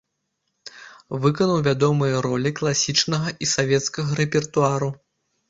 Выканаў вядомыя ролі класічнага і савецкага рэпертуару.